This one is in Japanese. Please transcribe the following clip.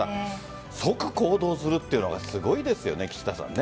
即行動するというのはすごいですよね、岸田さん。